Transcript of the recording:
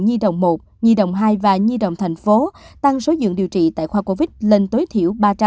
nhi đồng một nhi đồng hai và nhi đồng thành phố tăng số dưỡng điều trị tại khoa covid lên tối thiểu ba trăm linh